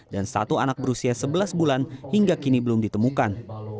dan satu anak berusia sebelas bulan hingga kini belum ditemukan